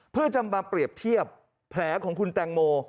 เพื่อจะมาเปรียบเทียบแผลของคุณแตงโม